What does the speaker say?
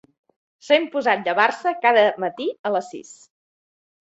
S'ha imposat de llevar-se cada matí a les sis.